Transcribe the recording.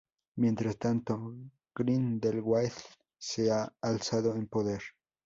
Mientras tanto, Grindelwald se ha alzado en poder.